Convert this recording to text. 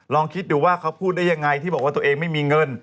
ลองคิดดูว่าเขาพูดได้ยังไงที่บอกว่าตัวเองไม่มีเงิน